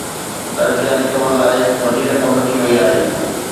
ترقياتي ڪمن لاءِ وڏي رقم رکي وئي آهي.